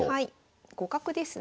互角ですね。